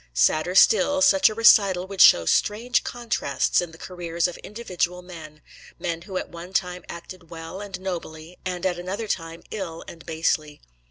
Sadder still, such a recital would show strange contrasts in the careers of individual men, men who at one time acted well and nobly, and at another time ill and basely.